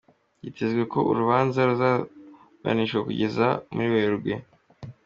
Byitezwe ko urubanza ruzaburanishwa kugeza muri Werurwe.